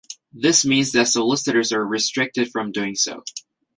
This means that solicitors are restricted from doing so.